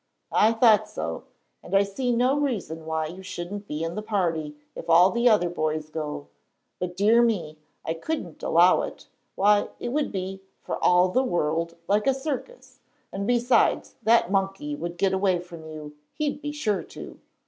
"I thought so; and I see no reason why you shouldn't be in the party, if all the other boys go. But, dear me, I couldn't allow it. Why, it would be, for all the world, like a circus. And, besides, the monkey would get away from you; he'd be sure to."